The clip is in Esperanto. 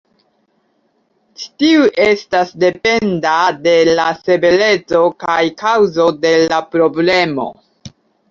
Ĉi tiu estas dependa de la severeco kaj kaŭzo de la problemo.